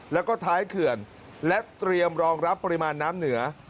แล้วก็ท้ายเขื่อนและเตรียมรองรับปริมาณน้ำเหนือ